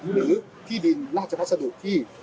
หรือที่ดินราชพัสดุที่